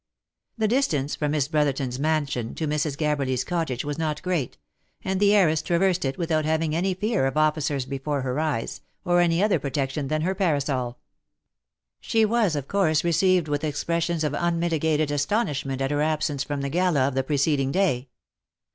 The distance from Miss Brotherton's man sion to Mrs. Gabberly's cottage was not great, and the heiress traversed it without having any fear of officers before her eyes, or any other pro tection than her parasol. She was, of course, received with expressions of unmitigated asto nishment at her absence from the gala of the preceding day.